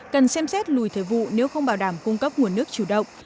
cần xem xét lùi thời vụ nếu không bảo đảm cung cấp nguồn nước chủ động